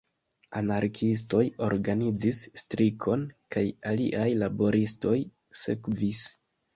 Anarkiistoj organizis strikon kaj aliaj laboristoj sekvis.